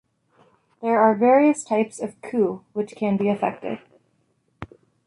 There are various types of coup which can be effected.